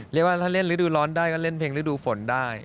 เรียกว่าถ้าเล่นฤดูร้อนได้ก็เล่นเพลงฤดูฝนได้